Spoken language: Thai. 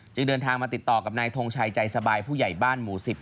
เดินทางมาติดต่อกับนายทงชัยใจสบายผู้ใหญ่บ้านหมู่๑๐